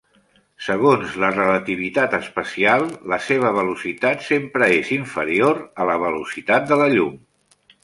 Segons la relativitat especial, la seva velocitat sempre és inferior a la velocitat de la llum.